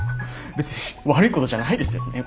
別に悪いことじゃないですよね